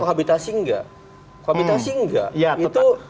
kohabitasi enggak kohabitasi enggak